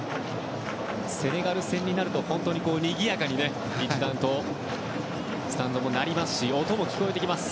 セネガル戦になると本当に、にぎやかにね一段と、スタンドもなりますし音も聴こえてきます。